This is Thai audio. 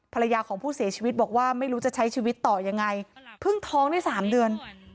ภรรยาของผู้เสียชีวิตบอกว่าไม่รู้จะใช้ชีวิตต่อยังไงเพิ่งท้องได้สามเดือน